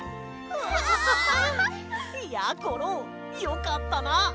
わあ！やころよかったな！